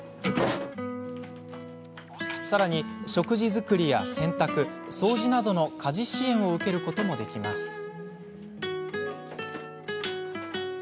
さらに、食事作りや洗濯掃除などの家事支援を受けることもできます。